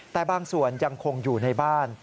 แต่บางส่วนยังคงอยู่ในบ้าน